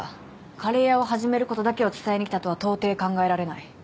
カレー屋を始めることだけを伝えに来たとはとうてい考えられない。